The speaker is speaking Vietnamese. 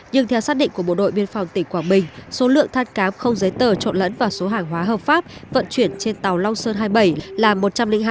nhưng theo xác định của bộ đội biên phòng tỉnh quảng bình số lượng than cám không giấy tờ trộn lẫn và số hàng hóa hợp pháp vận chuyển trên tàu long sơn hai mươi bảy là một trăm linh hai